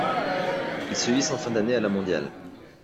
Il se hisse en fin d'année à la mondiale.